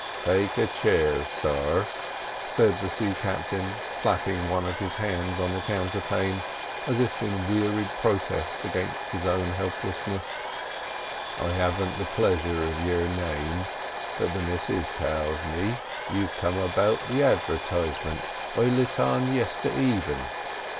"Take a chair, sir," said the sea captain, flapping one of his hands on the counterpane as if in wearied protest against his own helplessness. "I haven't the pleasure of your name, but the missus tells me you're come about the advertisement I lit on yester even."